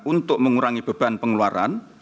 untuk mengurangi beban pengeluaran